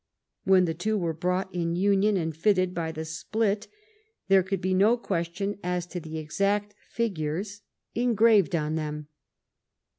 When the two were brought in union and fitted by the split there could be no question as to the exact figures en 277 THE RBION OF QUEEN ANNE graved on them.